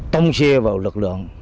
tông xe vào lực lượng